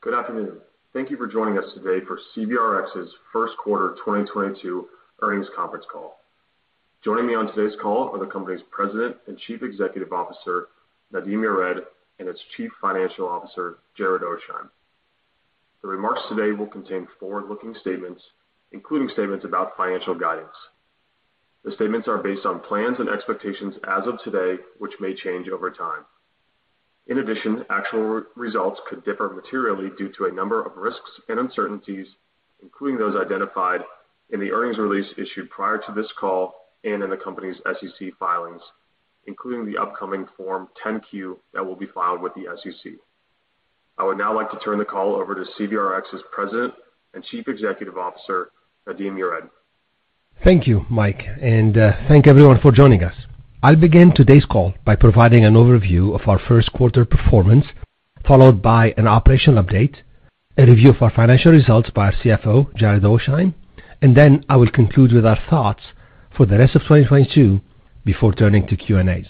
Good afternoon. Thank you for joining us today for CVRx's First Quarter 2022 Earnings Conference Call. Joining me on today's call are the company's President and Chief Executive Officer, Nadim Yared, and its Chief Financial Officer, Jared Oasheim. The remarks today will contain forward-looking statements, including statements about financial guidance. The statements are based on plans and expectations as of today, which may change over time. In addition, actual results could differ materially due to a number of risks and uncertainties, including those identified in the earnings release issued prior to this call and in the company's SEC filings, including the upcoming Form 10-Q that will be filed with the SEC. I would now like to turn the call over to CVRx's President and Chief Executive Officer, Nadim Yared. Thank you, Mike, and thank everyone for joining us. I'll begin today's call by providing an overview of our first quarter performance, followed by an operational update, a review of our financial results by our CFO, Jared Oasheim, and then I will conclude with our thoughts for the rest of 2022 before turning to Q&As.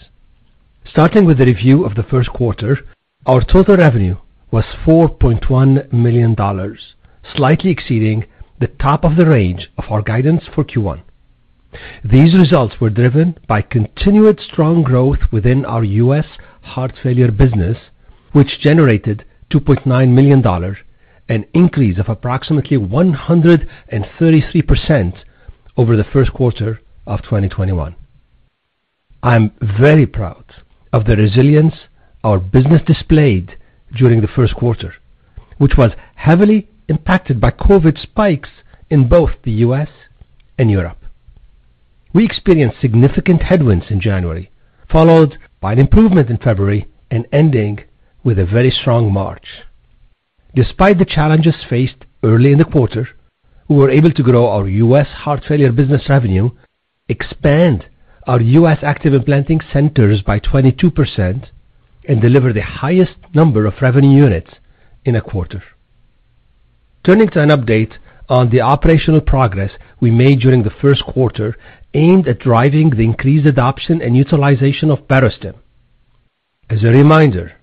Starting with the review of the first quarter, our total revenue was $4.1 million, slightly exceeding the top of the range of our guidance for Q1. These results were driven by continued strong growth within our U.S. heart failure business, which generated $2.9 million, an increase of approximately 133% over the first quarter of 2021. I'm very proud of the resilience our business displayed during the first quarter, which was heavily impacted by COVID spikes in both the U.S. and Europe. We experienced significant headwinds in January, followed by an improvement in February and ending with a very strong March. Despite the challenges faced early in the quarter, we were able to grow our U.S. heart failure business revenue, expand our U.S. active implanting centers by 22%, and deliver the highest number of revenue units in a quarter. Turning to an update on the operational progress we made during the first quarter aimed at driving the increased adoption and utilization of Barostim. As a reminder,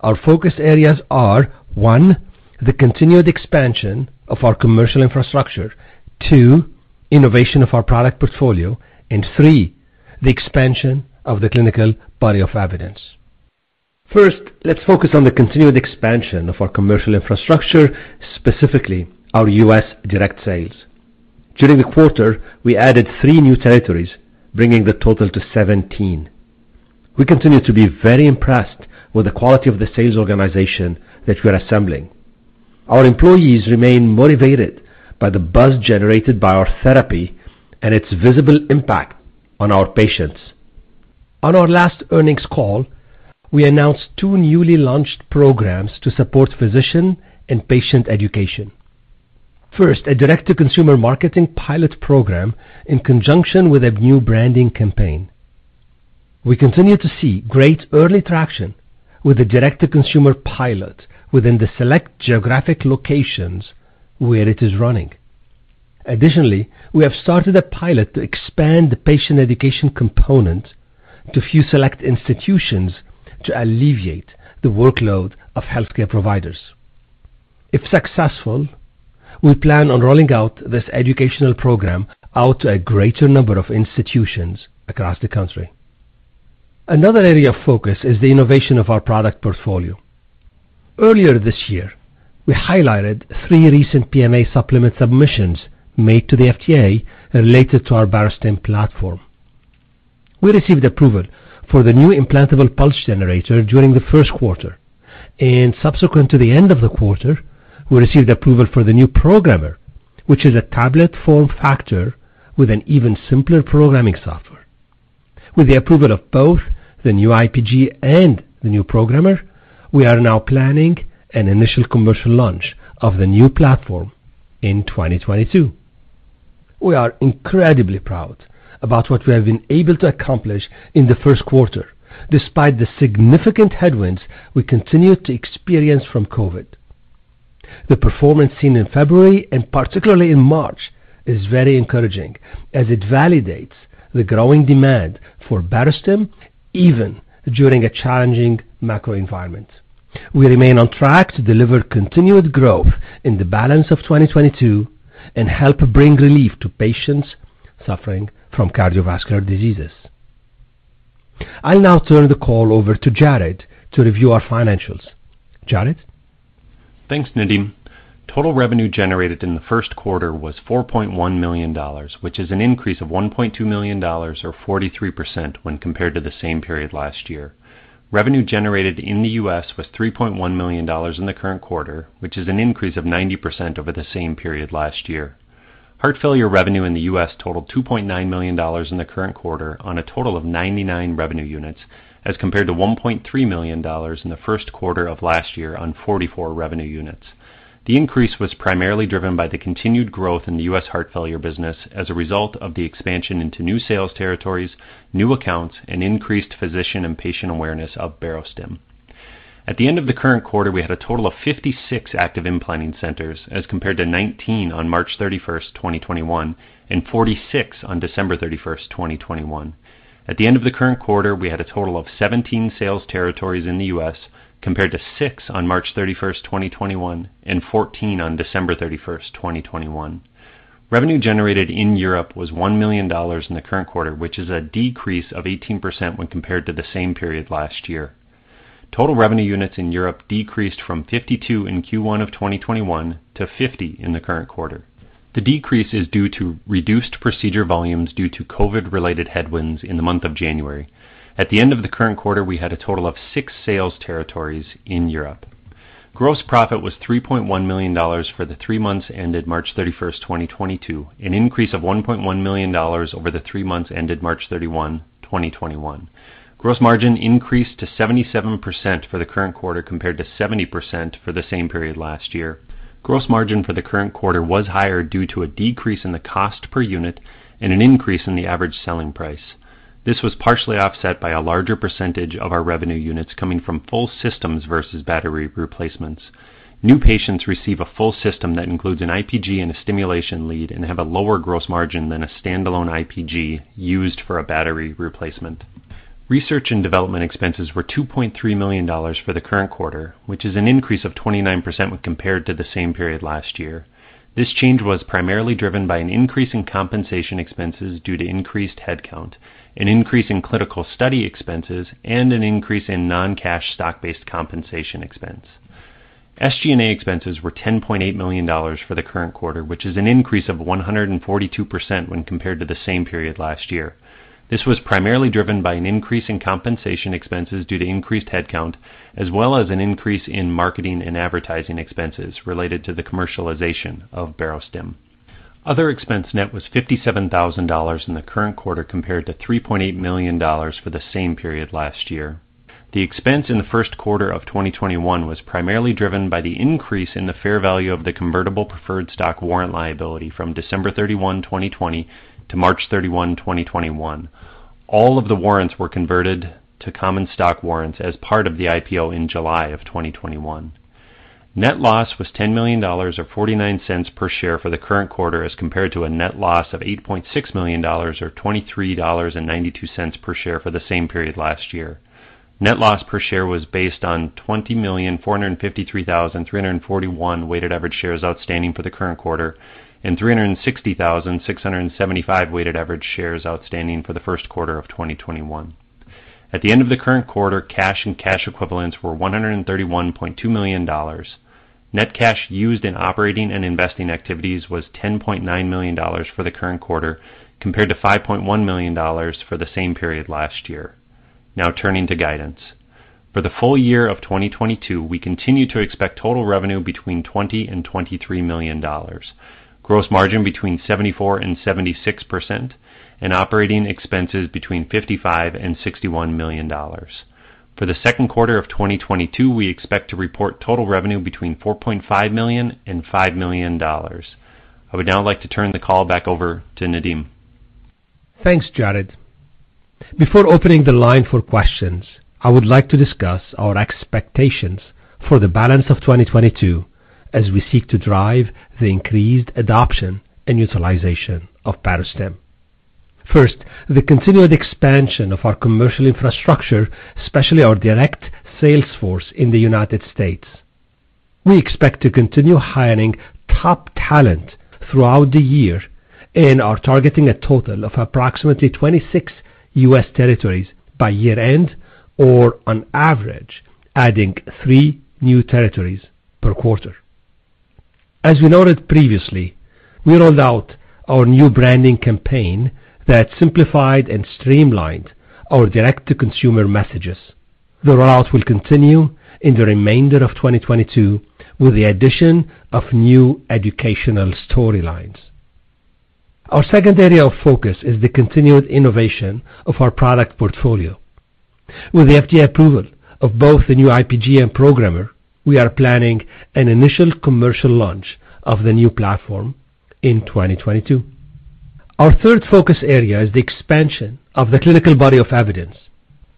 our focus areas are one, the continued expansion of our commercial infrastructure, two, innovation of our product portfolio, and three, the expansion of the clinical body of evidence. First, let's focus on the continued expansion of our commercial infrastructure, specifically our U.S. direct sales. During the quarter, we added three new territories, bringing the total to 17. We continue to be very impressed with the quality of the sales organization that we are assembling. Our employees remain motivated by the buzz generated by our therapy and its visible impact on our patients. On our last earnings call, we announced two newly launched programs to support physician and patient education. First, a direct-to-consumer marketing pilot program in conjunction with a new branding campaign. We continue to see great early traction with the direct-to-consumer pilot within the select geographic locations where it is running. Additionally, we have started a pilot to expand the patient education component to a few select institutions to alleviate the workload of healthcare providers. If successful, we plan on rolling out this educational program to a greater number of institutions across the country. Another area of focus is the innovation of our product portfolio. Earlier this year, we highlighted three recent PMA supplement submissions made to the FDA related to our Barostim platform. We received approval for the new implantable pulse generator during the first quarter, and subsequent to the end of the quarter, we received approval for the new programmer, which is a tablet form factor with an even simpler programming software. With the approval of both the new IPG and the new programmer, we are now planning an initial commercial launch of the new platform in 2022. We are incredibly proud about what we have been able to accomplish in the first quarter despite the significant headwinds we continue to experience from COVID. The performance seen in February, and particularly in March, is very encouraging as it validates the growing demand for Barostim even during a challenging macro environment. We remain on track to deliver continued growth in the balance of 2022 and help bring relief to patients suffering from cardiovascular diseases. I'll now turn the call over to Jared to review our financials. Jared? Thanks, Nadim. Total revenue generated in the first quarter was $4.1 million, which is an increase of $1.2 million or 43% when compared to the same period last year. Revenue generated in the U.S. was $3.1 million in the current quarter, which is an increase of 90% over the same period last year. Heart failure revenue in the U.S. totaled $2.9 million in the current quarter on a total of 99 revenue units as compared to $1.3 million in the first quarter of last year on 44 revenue units. The increase was primarily driven by the continued growth in the U.S. heart failure business as a result of the expansion into new sales territories, new accounts, and increased physician and patient awareness of Barostim. At the end of the current quarter, we had a total of 56 active implanting centers as compared to 19 on March 31, 2021 and 46 on December 31, 2021. At the end of the current quarter, we had a total of 17 sales territories in the U.S. Compared to six on March 31, 2021, and 14 on December 31, 2021. Revenue generated in Europe was $1 million in the current quarter, which is a decrease of 18% when compared to the same period last year. Total revenue units in Europe decreased from 52 in Q1 of 2021 to 50 in the current quarter. The decrease is due to reduced procedure volumes due to COVID-related headwinds in the month of January. At the end of the current quarter, we had a total of six sales territories in Europe. Gross profit was $3.1 million for the three months ended March 31, 2022, an increase of $1.1 million over the three months ended March 31, 2021. Gross margin increased to 77% for the current quarter compared to 70% for the same period last year. Gross margin for the current quarter was higher due to a decrease in the cost per unit and an increase in the average selling price. This was partially offset by a larger percentage of our revenue units coming from full systems versus battery replacements. New patients receive a full system that includes an IPG and a stimulation lead and have a lower gross margin than a standalone IPG used for a battery replacement. Research and development expenses were $2.3 million for the current quarter, which is an increase of 29% when compared to the same period last year. This change was primarily driven by an increase in compensation expenses due to increased headcount, an increase in clinical study expenses, and an increase in non-cash stock-based compensation expense. SG&A expenses were $10.8 million for the current quarter, which is an increase of 142% when compared to the same period last year. This was primarily driven by an increase in compensation expenses due to increased headcount, as well as an increase in marketing and advertising expenses related to the commercialization of Barostim. Other expense net was $57,000 in the current quarter compared to $3.8 million for the same period last year. The expense in the first quarter of 2021 was primarily driven by the increase in the fair value of the convertible preferred stock warrant liability from December 31, 2020, to March 31, 2021. All of the warrants were converted to common stock warrants as part of the IPO in July 2021. Net loss was $10 million or $0.49 per share for the current quarter as compared to a net loss of $8.6 million or $23.92 per share for the same period last year. Net loss per share was based on 20,453,341 weighted average shares outstanding for the current quarter and 360,675 weighted average shares outstanding for the first quarter of 2021. At the end of the current quarter, cash and cash equivalents were $131.2 million. Net cash used in operating and investing activities was $10.9 million for the current quarter compared to $5.1 million for the same period last year. Now turning to guidance. For the full year of 2022, we continue to expect total revenue between $20 million and $23 million. Gross margin between 74% and 76% and operating expenses between $55 million and $61 million. For the second quarter of 2022, we expect to report total revenue between $4.5 million and $5 million. I would now like to turn the call back over to Nadim. Thanks, Jared. Before opening the line for questions, I would like to discuss our expectations for the balance of 2022 as we seek to drive the increased adoption and utilization of Barostim. First, the continued expansion of our commercial infrastructure, especially our direct sales force in the United States. We expect to continue hiring top talent throughout the year and are targeting a total of approximately 26 U.S. territories by year-end, or on average, adding three new territories per quarter. As we noted previously, we rolled out our new branding campaign that simplified and streamlined our direct-to-consumer messages. The rollout will continue in the remainder of 2022 with the addition of new educational storylines. Our second area of focus is the continued innovation of our product portfolio. With the FDA approval of both the new IPG and programmer, we are planning an initial commercial launch of the new platform in 2022. Our third focus area is the expansion of the clinical body of evidence.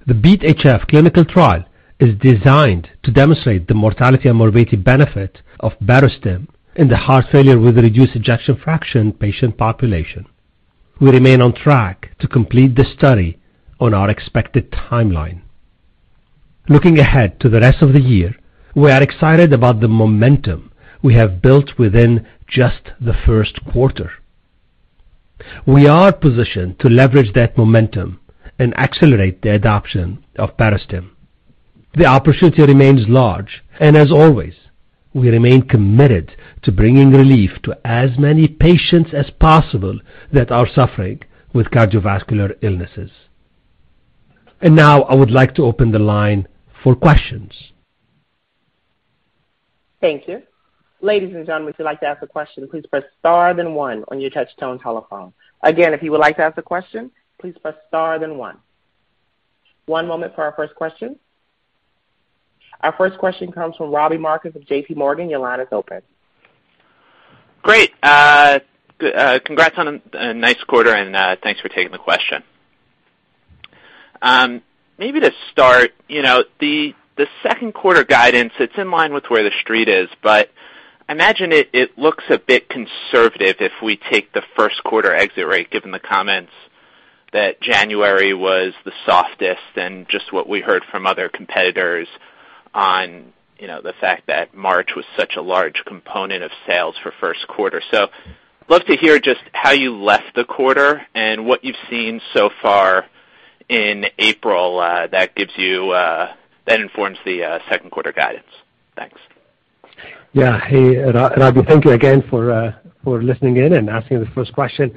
The BEAT-HF clinical trial is designed to demonstrate the mortality and morbidity benefit of Barostim in the heart failure with reduced ejection fraction patient population. We remain on track to complete the study on our expected timeline. Looking ahead to the rest of the year, we are excited about the momentum we have built within just the first quarter. We are positioned to leverage that momentum and accelerate the adoption of Barostim. The opportunity remains large, and as always, we remain committed to bringing relief to as many patients as possible that are suffering with cardiovascular illnesses. Now I would like to open the line for questions. Thank you. Ladies and gentlemen, if you'd like to ask a question, please press star then one on your touchtone telephone. Again, if you would like to ask a question, please press star then one. One moment for our first question. Our first question comes from Robbie Marcus of JPMorgan. Your line is open. Great. Congrats on a nice quarter, and thanks for taking the question. Maybe to start, you know, the second quarter guidance, it's in line with where the street is, but I imagine it looks a bit conservative if we take the first quarter exit rate, given the comments that January was the softest and just what we heard from other competitors on, you know, the fact that March was such a large component of sales for first quarter. Love to hear just how you left the quarter and what you've seen so far in April, that gives you that informs the second quarter guidance. Thanks. Yeah. Hey, Robbie, thank you again for listening in and asking the first question.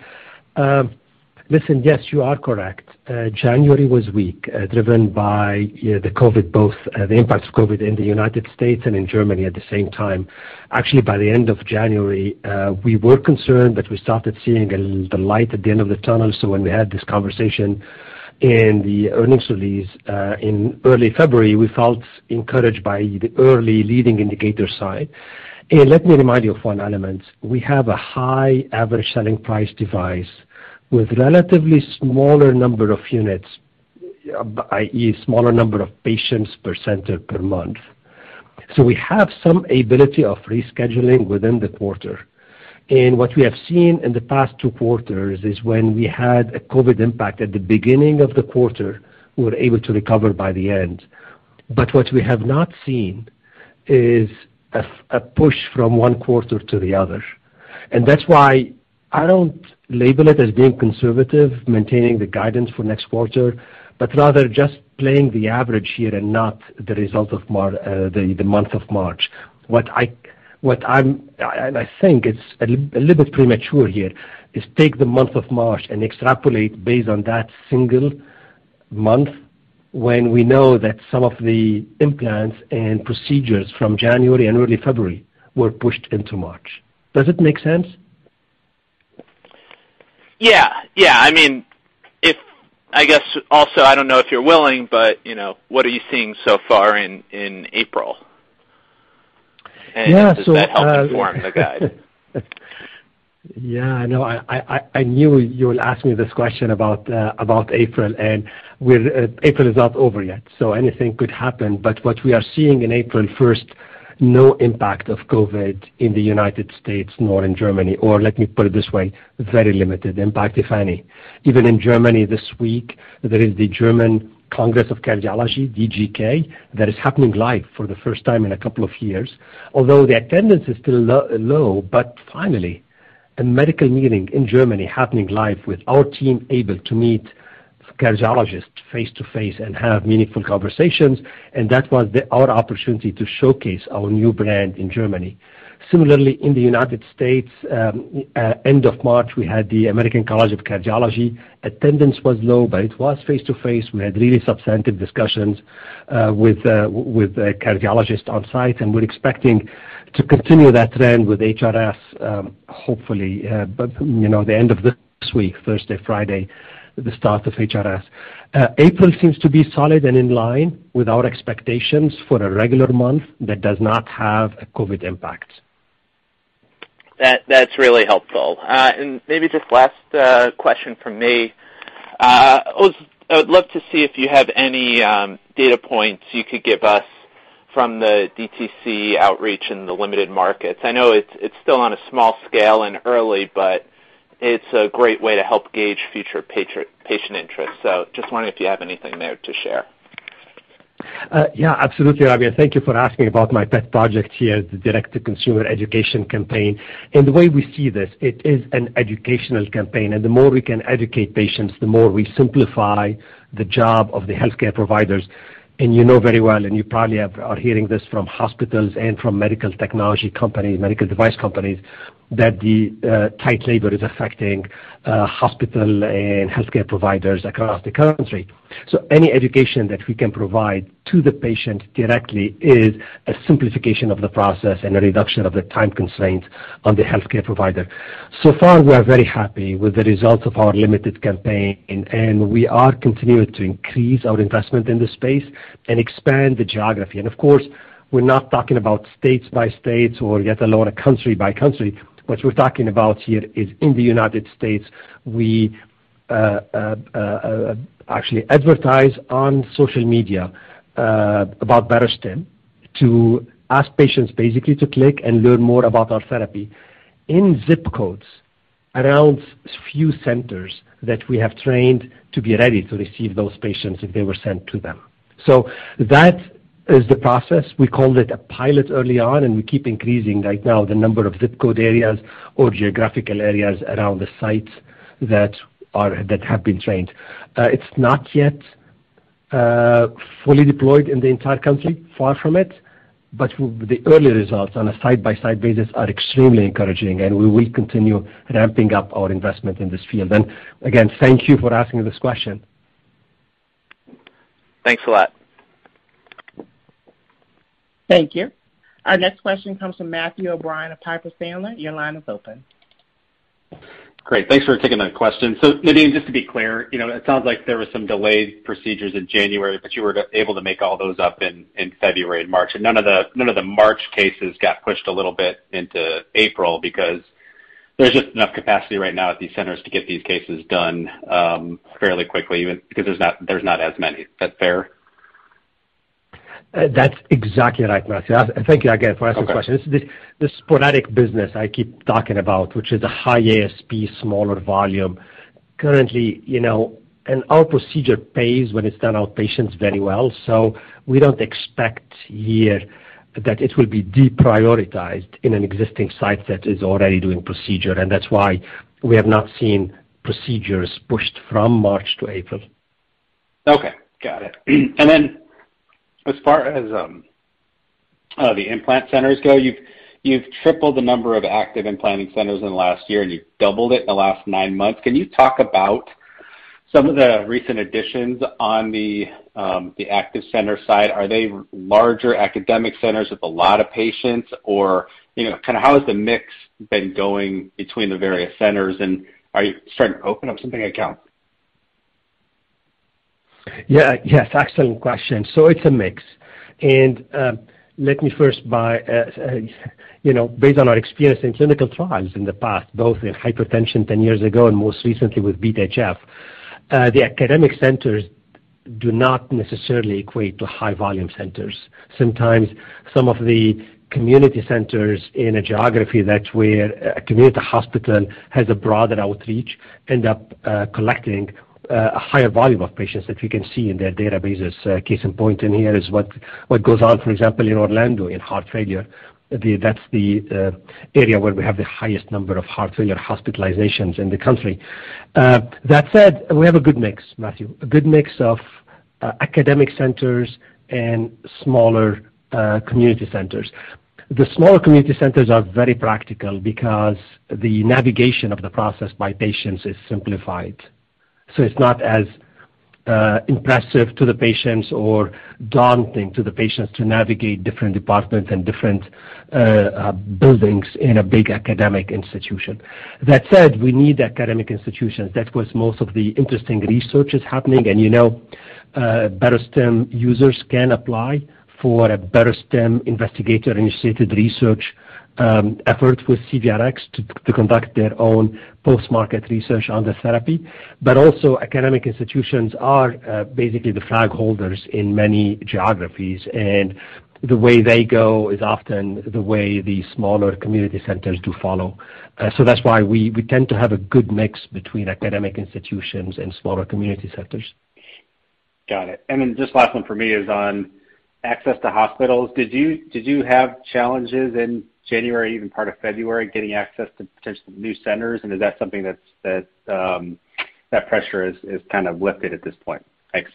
Listen, yes, you are correct. January was weak, driven by the COVID, both the impacts of COVID in the United States and in Germany at the same time. Actually, by the end of January, we were concerned, but we started seeing a little of the light at the end of the tunnel. When we had this conversation in the earnings release in early February, we felt encouraged by the early leading indicator side. Let me remind you of one element. We have a high average selling price device with relatively smaller number of units, i.e., smaller number of patients per center per month. We have some ability of rescheduling within the quarter. What we have seen in the past two quarters is when we had a COVID impact at the beginning of the quarter, we were able to recover by the end. What we have not seen is a push from one quarter to the other. That's why I don't label it as being conservative, maintaining the guidance for next quarter, but rather just playing the average here and not the result of the month of March. I think it's a little bit premature here to take the month of March and extrapolate based on that single month when we know that some of the implants and procedures from January and early February were pushed into March. Does it make sense? Yeah. I mean, if I guess also, I don't know if you're willing, but, you know, what are you seeing so far in April? Yeah. Does that help you form the guide? Yeah, I know. I knew you would ask me this question about April is not over yet, so anything could happen. What we are seeing in April, first, no impact of COVID in the United States nor in Germany, or let me put it this way, very limited impact, if any. Even in Germany this week, there is the German Congress of Cardiology, DGK, that is happening live for the first time in a couple of years. Although the attendance is still low, but finally, a medical meeting in Germany happening live with our team able to meet cardiologists face-to-face and have meaningful conversations, and that was our opportunity to showcase our new brand in Germany. Similarly, in the United States, end of March, we had the American College of Cardiology. Attendance was low, but it was face-to-face. We had really substantive discussions with the cardiologists on site, and we're expecting to continue that trend with HRS, hopefully, but you know, the end of this week, Thursday, Friday, the start of HRS. April seems to be solid and in line with our expectations for a regular month that does not have a COVID impact. That's really helpful. Maybe just last question from me. I would love to see if you have any data points you could give us from the DTC outreach in the limited markets. I know it's still on a small scale and early, but it's a great way to help gauge future patient interest. Just wondering if you have anything there to share. Yeah, absolutely, Robbie. Thank you for asking about my pet project here, the direct-to-consumer education campaign. The way we see this, it is an educational campaign, and the more we can educate patients, the more we simplify the job of the healthcare providers. You know very well, and you probably are hearing this from hospitals and from medical technology companies, medical device companies, that the tight labor is affecting hospital and healthcare providers across the country. Any education that we can provide to the patient directly is a simplification of the process and a reduction of the time constraints on the healthcare provider. So far, we are very happy with the results of our limited campaign, and we are continuing to increase our investment in this space and expand the geography. Of course, we're not talking about states by states or yet a lot of country by country. What we're talking about here is in the United States, we actually advertise on social media about Barostim to ask patients basically to click and learn more about our therapy in ZIP codes around few centers that we have trained to be ready to receive those patients if they were sent to them. That is the process. We called it a pilot early on, and we keep increasing right now the number of ZIP code areas or geographical areas around the sites that have been trained. It's not yet fully deployed in the entire country, far from it, but the early results on a side-by-side basis are extremely encouraging, and we will continue ramping up our investment in this field. Again, thank you for asking this question. Thanks a lot. Thank you. Our next question comes from Matthew O'Brien of Piper Sandler. Your line is open. Great. Thanks for taking the question. Nadim, just to be clear, you know, it sounds like there was some delayed procedures in January, but you were able to make all those up in February and March. None of the March cases got pushed a little bit into April because there's just enough capacity right now at these centers to get these cases done fairly quickly even because there's not as many. Is that fair? That's exactly right, Matthew. Thank you again for asking questions. Okay. The sporadic business I keep talking about, which is a high ASP, smaller volume. Currently, you know, our procedure pays when it's done outpatient very well. So, we don't expect here that it will be deprioritized in an existing site that is already doing procedure. That's why we have not seen procedures pushed from March to April. Okay, got it. As far as the implant centers go, you've tripled the number of active implanting centers in the last year, and you've doubled it in the last nine months. Can you talk about some of the recent additions on the active center side? Are they larger academic centers with a lot of patients or, you know, kind of how has the mix been going between the various centers, and are you starting to open up some things I can count on? Yeah. Yes, excellent question. It's a mix. Let me first, you know, based on our experience in clinical trials in the past, both in hypertension 10 years ago and most recently with BEAT-HF, the academic centers do not necessarily equate to high volume centers. Sometimes some of the community centers in a geography where a community hospital has a broader outreach end up collecting a higher volume of patients that we can see in their databases. Case in point here is what goes on, for example, in Orlando, in heart failure. That's the area where we have the highest number of heart failure hospitalizations in the country. That said, we have a good mix, Matthew, a good mix of academic centers and smaller community centers. The smaller community centers are very practical because the navigation of the process by patients is simplified. It's not as impressive to the patients or daunting to the patients to navigate different departments and different buildings in a big academic institution. That said, we need academic institutions. That's where most of the interesting research is happening. You know, Barostim users can apply for a Barostim investigator-initiated research effort with CVRx to conduct their own post-market research on the therapy. Also, academic institutions are basically the flag holders in many geographies, and the way they go is often the way the smaller community centers do follow. That's why we tend to have a good mix between academic institutions and smaller community centers. Got it. Just last one for me is on access to hospitals. Did you have challenges in January, even part of February, getting access to potentially new centers? Is that something that pressure is kind of lifted at this point? Thanks.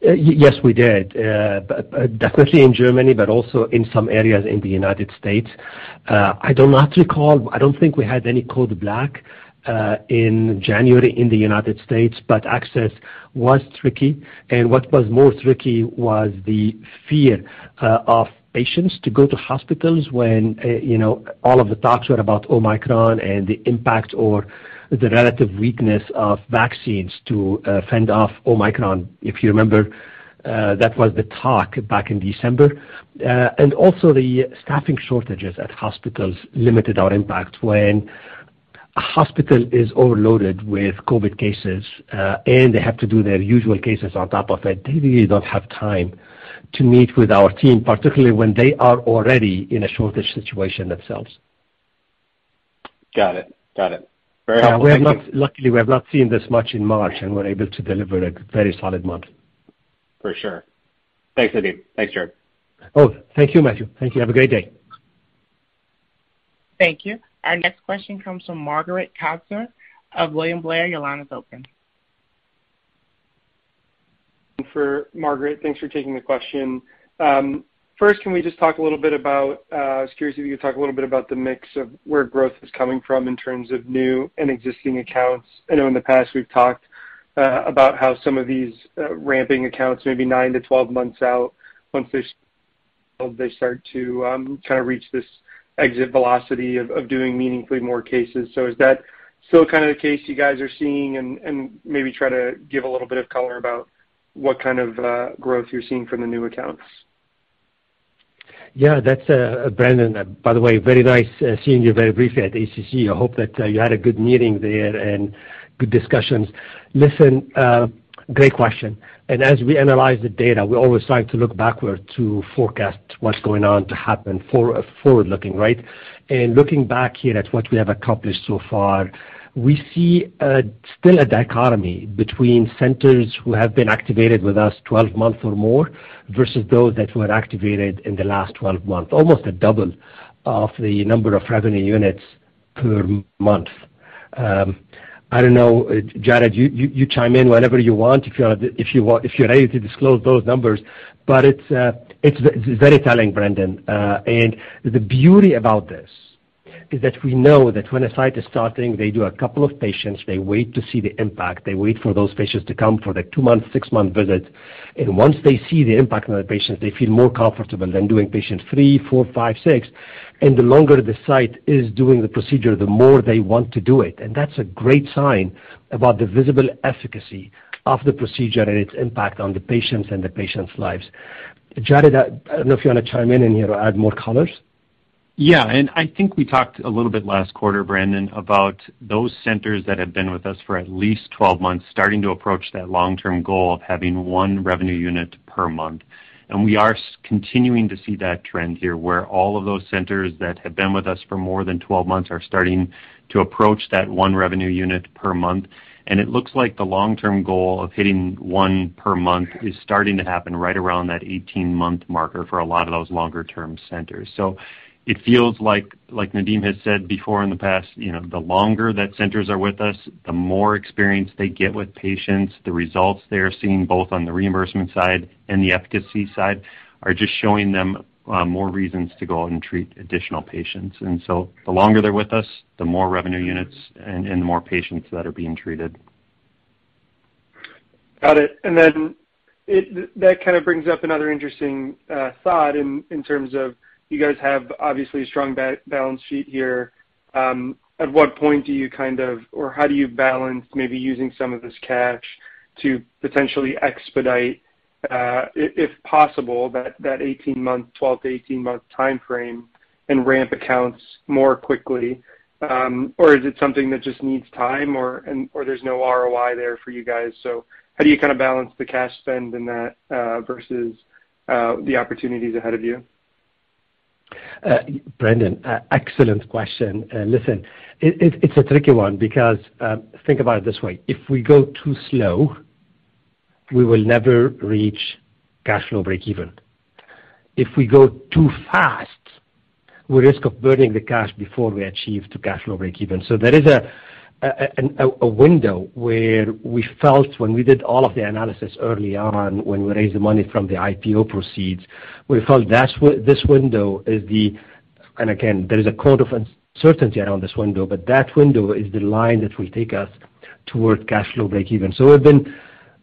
Yes, we did. Definitely in Germany, but also in some areas in the United States. I do not recall. I don't think we had any code black in January in the United States, but access was tricky. What was trickier was the fear of patients to go to hospitals when you know all of the talks were about Omicron and the impact or the relative weakness of vaccines to fend off Omicron. If you remember, that was the talk back in December. The staffing shortages at hospitals limited our impact. When a hospital is overloaded with COVID cases and they have to do their usual cases on top of it, they really don't have time to meet with our team, particularly when they are already in a shortage situation themselves. Got it. Very helpful. Thank you. Luckily, we have not seen this much in March, and we're able to deliver a very solid month. For sure. Thanks, Nadim. Thanks, Jared. Oh, thank you, Matthew. Thank you. Have a great day. Thank you. Our next question comes from Brandon Lower of William Blair. Your line is open. For Margaret, thanks for taking the question. First, can we just talk a little bit about, I was curious if you could talk a little bit about the mix of where growth is coming from in terms of new and existing accounts. I know in the past we've talked about how some of these ramping accounts may be nine-12 months out once they start to kinda reach this exit velocity of doing meaningfully more cases. Is that still kinda the case you guys are seeing? And maybe try to give a little bit of color about what kind of growth you're seeing from the new accounts. Yeah, that's Brandon, by the way, very nice seeing you very briefly at ACC. I hope that you had a good meeting there and good discussions. Listen, great question. As we analyze the data, we're always trying to look backward to forecast what's going on to happen forward-looking, right? Looking back here at what we have accomplished so far, we see still a dichotomy between centers who have been activated with us 12 months or more versus those that were activated in the last 12 months, almost a double of the number of revenue units per month. I don't know, Jared, you chime in whenever you want if you're ready to disclose those numbers. But it's very telling, Brandon. The beauty about this is that we know that when a site is starting, they do a couple of patients, they wait to see the impact, they wait for those patients to come for the two-month, six-month visit. Once they see the impact on the patients, they feel more comfortable than doing patient three, four, five, six. The longer the site is doing the procedure, the more they want to do it. That's a great sign about the visible efficacy of the procedure and its impact on the patients and the patients' lives. Jared, I don't know if you wanna chime in here or add more colors. Yeah. I think we talked a little bit last quarter, Brandon, about those centers that have been with us for at least 12 months, starting to approach that long-term goal of having one revenue unit per month. We are continuing to see that trend here where all of those centers that have been with us for more than 12 months are starting to approach that one revenue unit per month. It looks like the long-term goal of hitting one per month is starting to happen right around that 18-month marker for a lot of those longer-term centers. It feels like Nadim has said before in the past, you know, the longer that centers are with us, the more experience they get with patients, the results they are seeing both on the reimbursement side and the efficacy side are just showing them more reasons to go out and treat additional patients. The longer they're with us, the more revenue units and the more patients that are being treated. Got it. That kind of brings up another interesting thought in terms of you guys have obviously a strong balance sheet here. At what point do your kind of or how do you balance maybe using some of this cash to potentially expedite, if possible, that 18-month, 12- to 18-month time frame and ramp accounts more quickly? Or is it something that just needs time or there's no ROI there for you guys? How do you kind of balance the cash spend in that versus the opportunities ahead of you? Brandon, excellent question. Listen, it's a tricky one because think about it this way, if we go too slow, we will never reach cash flow breakeven. If we go too fast, we risk of burning the cash before we achieve to cash flow breakeven. There is a window where we felt when we did all of the analysis early on, when we raised the money from the IPO proceeds, we felt that's where this window is the line that will take us toward cash flow breakeven. Again, there is a degree of uncertainty around this window, but that window is the line that will take us toward cash flow breakeven. We've been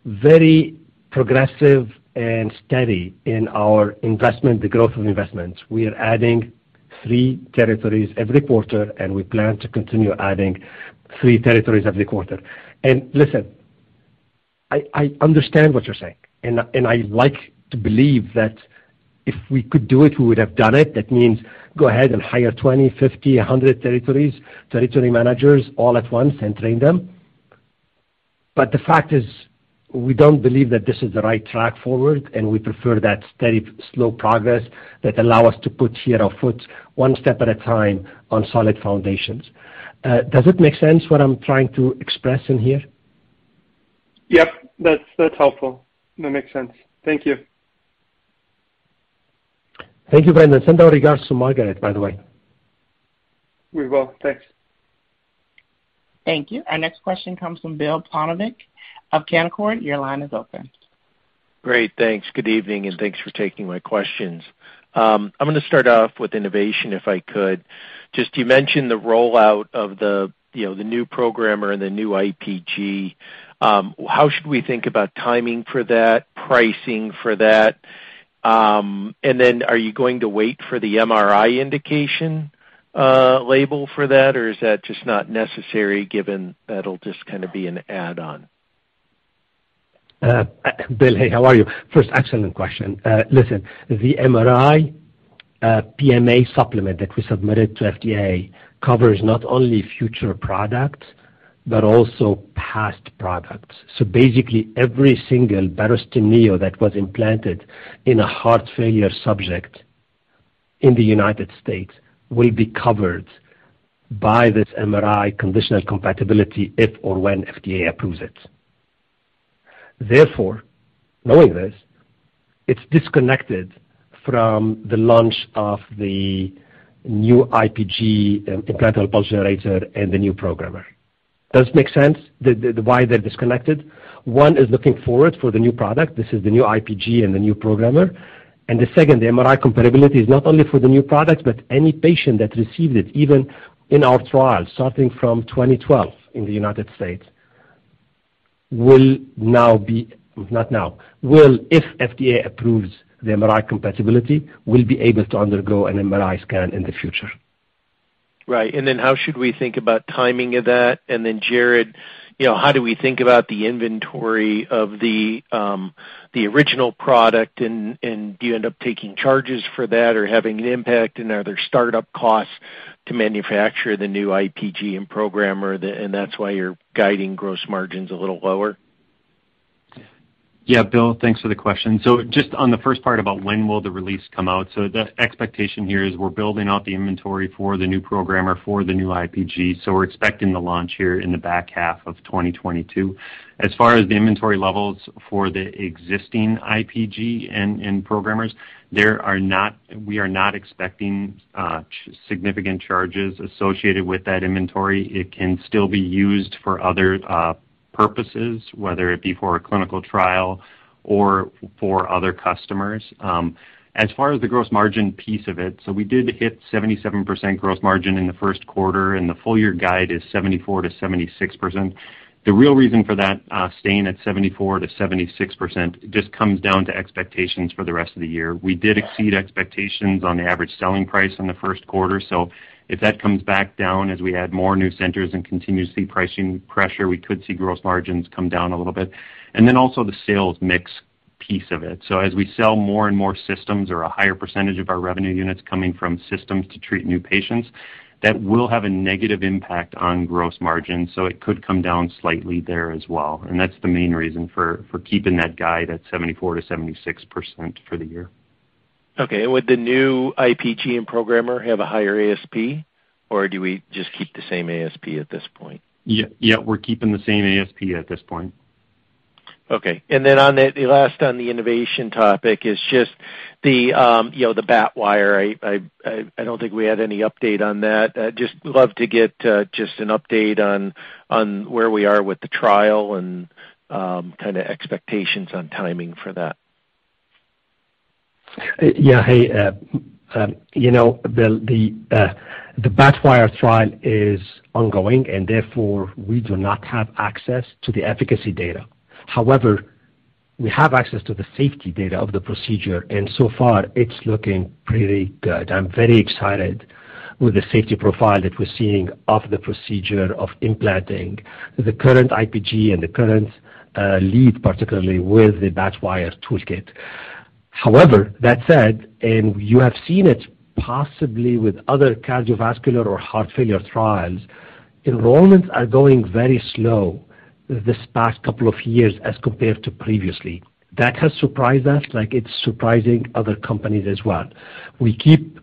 very progressive and steady in our investment, the growth of investments. We are adding three territories every quarter, and we plan to continue adding three territories every quarter. Listen, I understand what you're saying, and I like to believe that if we could do it, we would have done it. That means go ahead and hire 20, 50, 100 territories, territory managers all at once and train them. But the fact is, we don't believe that this is the right track forward, and we prefer that steady, slow progress that allow us to put here our foot one step at a time on solid foundations. Does it make sense what I'm trying to express in here? Yep, that's helpful. That makes sense. Thank you. Thank you, Brandon. Send our regards to Margaret, by the way. We will. Thanks. Thank you. Our next question comes from Bill Plovanic of Canaccord. Your line is open. Great. Thanks. Good evening, and thanks for taking my questions. I'm gonna start off with innovation, if I could. Just you mentioned the rollout of the, you know, the new programmer and the new IPG. How should we think about timing for that, pricing for that? Are you going to wait for the MRI indication, label for that? Is that just not necessary given that'll just kinda be an add-on? Bill, hey, how are you? First, excellent question. Listen, the MRI PMA supplement that we submitted to FDA covers not only future products but also past products. Basically, every single Barostim Neo that was implanted in a heart failure subject in the United States will be covered by this MRI conditional compatibility if or when FDA approves it. Therefore, knowing this, it's disconnected from the launch of the new IPG, Implantable Pulse Generator, and the new programmer. Does it make sense why they're disconnected? One is looking forward for the new product. This is the new IPG and the new programmer. The second, the MRI compatibility is not only for the new product, but any patient that received it, even in our trial starting from 2012 in the United States, will now be. Well, if FDA approves the MRI compatibility, patients will be able to undergo an MRI scan in the future. Right. Then how should we think about timing of that? Then, Jared, you know, how do we think about the inventory of the original product, and do you end up taking charges for that or having an impact? Are there startup costs to manufacture the new IPG and programmer, and that's why you're guiding gross margins a little lower? Yeah. Bill, thanks for the question. Just on the first part about when will the release come out. The expectation here is we're building out the inventory for the new programmer, for the new IPG, so we're expecting the launch here in the back half of 2022. As far as the inventory levels for the existing IPG and programmers, we are not expecting significant charges associated with that inventory. It can still be used for other purposes, whether it be for a clinical trial or for other customers. As far as the gross margin piece of it, we did hit 77% gross margin in the first quarter, and the full-year guide is 74%-76%. The real reason for that, staying at 74%-76% just comes down to expectations for the rest of the year. We did exceed expectations on the average selling price in the first quarter. If that comes back down as we add more new centers and continue to see pricing pressure, we could see gross margins come down a little bit. The sales mix. Piece of it. As we sell more and more systems or a higher percentage of our revenue units coming from systems to treat new patients, that will have a negative impact on gross margin, so it could come down slightly there as well. That's the main reason for keeping that guide at 74%-76% for the year. Okay. Would the new IPG and programmer have a higher ASP, or do we just keep the same ASP at this point? Yeah. Yeah, we're keeping the same ASP at this point. Okay. On the last on the innovation topic is just the BATWIRE. I don't think we had any update on that. Just love to get just an update on where we are with the trial and kinda expectations on timing for that. You know, the BATWIRE trial is ongoing, and therefore, we do not have access to the efficacy data. However, we have access to the safety data of the procedure, and so far, it's looking pretty good. I'm very excited with the safety profile that we're seeing of the procedure of implanting the current IPG and the current lead, particularly with the BATWIRE toolkit. However, that said, and you have seen it possibly with other cardiovascular or heart failure trials, enrollments are going very slow this past couple of years as compared to previously. That has surprised us, like it's surprising other companies as well. We keep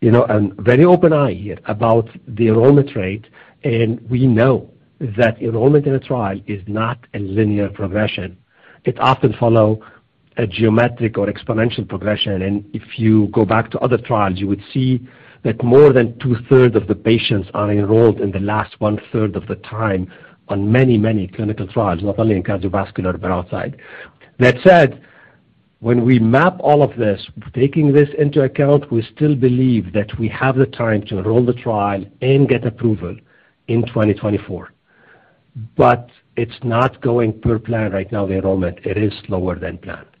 you know a very open eye here about the enrollment rate, and we know that enrollment in a trial is not a linear progression. It often follows a geometric or exponential progression. If you go back to other trials, you would see that more than 2/3 of the patients are enrolled in the last 1/3 of the time on many, many clinical trials, not only in cardiovascular but outside. That said, when we map all of this, taking this into account, we still believe that we have the time to enroll the trial and get approval in 2024. It's not going per plan right now, the enrollment. It is slower than planned.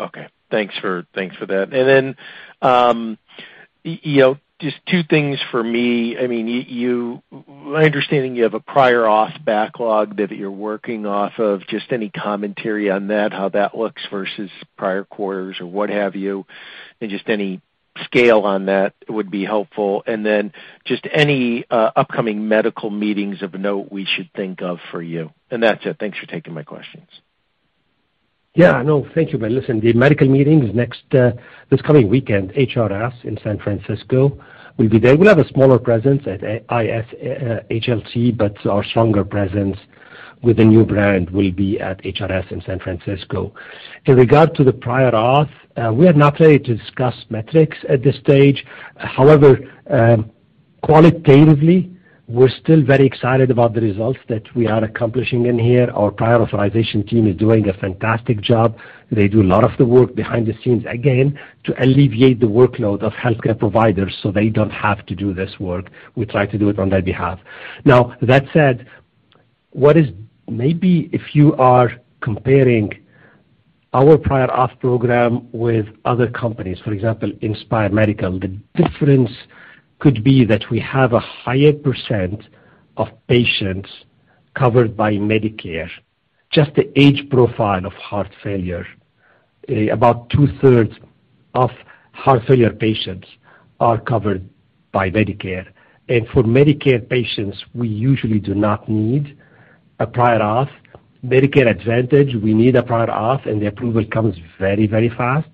Okay. Thanks for that. You know, just two things for me. I mean, my understanding, you have a prior auth backlog that you're working off of. Just any commentary on that, how that looks versus prior quarters or what have you. Just any upcoming medical meetings of note we should think of for you. That's it. Thanks for taking my questions. Yeah, no, thank you, Bill. Listen, the medical meeting is next this coming weekend, HRS in San Francisco. We'll be there. We'll have a smaller presence at ISHLT, but our stronger presence with the new brand will be at HRS in San Francisco. In regard to the prior auth, we are not ready to discuss metrics at this stage. However, qualitatively, we're still very excited about the results that we are accomplishing in here. Our prior authorization team is doing a fantastic job. They do a lot of the work behind the scenes, again, to alleviate the workload of healthcare providers, so they don't have to do this work. We try to do it on their behalf. Now, that said, maybe if you are comparing our prior auth program with other companies, for example, Inspire Medical, the difference could be that we have a higher % of patients covered by Medicare, just the age profile of heart failure. About 2/3 of heart failure patients are covered by Medicare. For Medicare patients, we usually do not need a prior auth. For Medicare Advantage, we need a prior auth, and the approval comes very, very fast.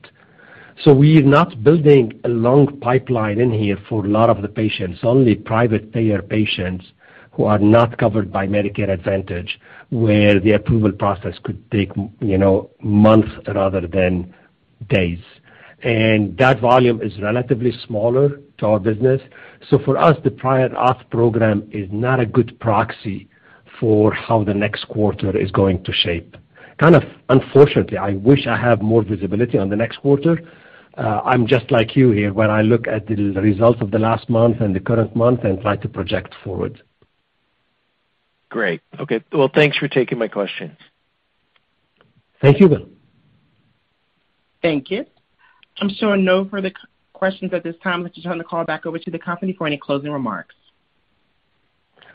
We're not building a long pipeline in here for a lot of the patients, only private payer patients who are not covered by Medicare Advantage, where the approval process could take, you know, months rather than days. That volume is relatively smaller to our business. For us, the prior auth program is not a good proxy for how the next quarter is going to shape. Kind of unfortunately, I wish I have more visibility on the next quarter. I'm just like you here when I look at the results of the last month and the current month and try to project forward. Great. Okay. Well, thanks for taking my questions. Thank you, Bill. Thank you. I'm showing no further questions at this time. Let's turn the call back over to the company for any closing remarks.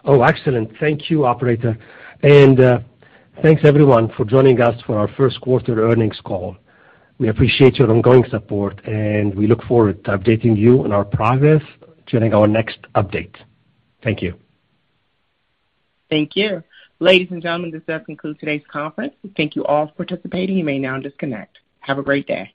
Oh, excellent. Thank you, operator. Thanks everyone for joining us for our first quarter earnings call. We appreciate your ongoing support, and we look forward to updating you on our progress during our next update. Thank you. Thank you. Ladies and gentlemen, this does conclude today's conference. Thank you all for participating. You may now disconnect. Have a great day.